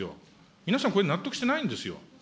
皆さん、これ納得してないんですよ。